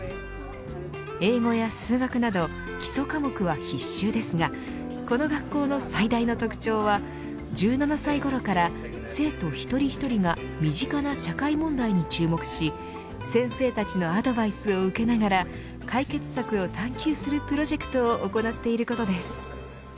英語や数学など基礎科目は必修ですがこの学校の最大の特徴は１７歳ごろから生徒一人一人が身近な社会問題に注目し先生たちのアドバイスを受けながら解決策を探求するプロジェクトを行っていることです。